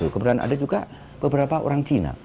kemudian ada juga beberapa orang cina